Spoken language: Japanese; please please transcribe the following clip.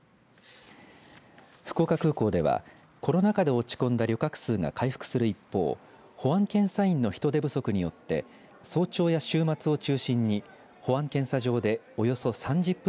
福岡空港ではコロナ禍で落ち込んだ旅客数が回復する一方保安検査員の人手不足によって早朝や週末を中心に保安検査場でおよそ３０分